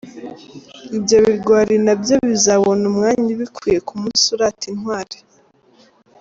Ibyo bigwari nabyo bizabona umwanya ubikwiye ku munsi urata intwali.